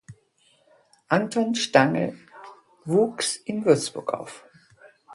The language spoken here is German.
Anton Stangl wuchs in Würzburg auf.